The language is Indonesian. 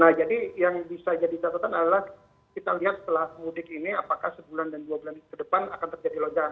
nah jadi yang bisa jadi catatan adalah kita lihat setelah mudik ini apakah sebulan dan dua bulan ke depan akan terjadi lonjakan